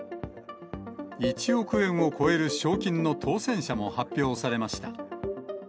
１億円を超える賞金の当せん者も発表されました。